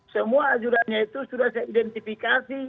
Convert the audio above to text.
semua ajurannya itu sudah saya identifikasi